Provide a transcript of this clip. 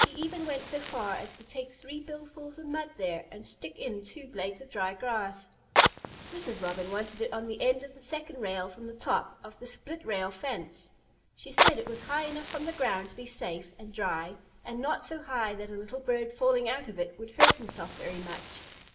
He even went so far as to take three billfuls of mud there, and stick in two blades of dry grass. Mrs. Robin wanted it on the end of the second rail from the top of the split rail fence. She said it was high enough from the ground to be safe and dry, and not so high that a little bird falling out of it would hurt himself very much.